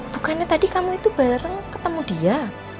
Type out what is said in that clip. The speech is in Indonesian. bukannya tadi kamu itu bareng ketemu dia